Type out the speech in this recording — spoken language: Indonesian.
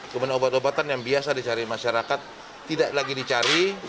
kemudian obat obatan yang biasa dicari masyarakat tidak lagi dicari